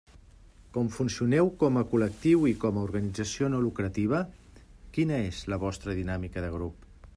Com funcioneu com a col·lectiu i com a organització no lucrativa: quina és la vostra dinàmica de grup?